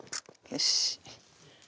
よし。